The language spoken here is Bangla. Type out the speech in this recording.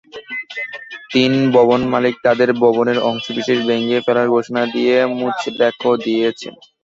তিন ভবনমালিক তাঁদের ভবনের অংশবিশেষ ভেঙে ফেলার ঘোষণা দিয়ে মুচলেকা দিয়েছেন।